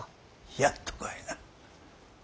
やっとかいな。